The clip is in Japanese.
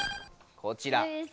こちら。